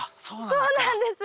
そうなんです。